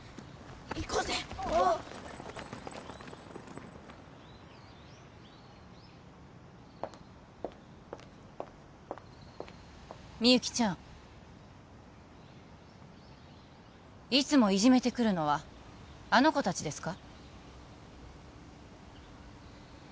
行こうぜおうみゆきちゃんいつもいじめてくるのはあの子達ですか？